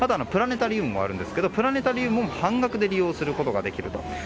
プラネタリウムもあるんですがプラネタリウムも半額で利用することができると。